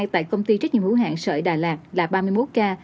tại công ty trách nhiệm hữu hạn sở đà lạt là ba mươi một ca